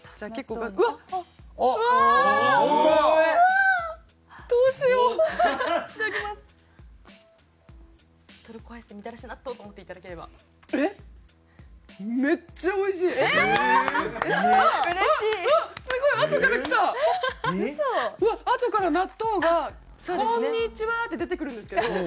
あとから納豆が「こんにちは！！」って出てくるんですけど。